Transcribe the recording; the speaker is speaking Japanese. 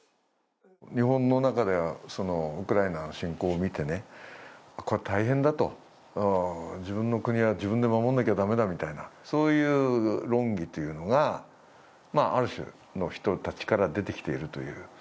日本の中ではウクライナ侵攻を見て、これは大変だと、自分の国は自分で守らなきゃ駄目だみたいな論議とういのがある種の人たちから出てきているという。